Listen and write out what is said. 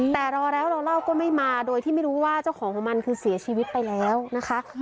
แต่รอแล้วรอเล่าก็ไม่มาโดยที่ไม่รู้ว่าเจ้าของของมันคือเสียชีวิตไปแล้วนะคะ